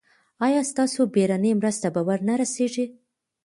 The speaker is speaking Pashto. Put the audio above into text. ایا ستاسو بیړنۍ مرسته به ور نه رسیږي؟